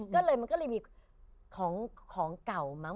ก็เลยมันก็เลยมีของเก่ามั้ง